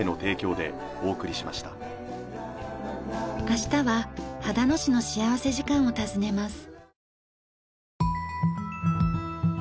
明日は秦野市の幸福時間を訪ねます。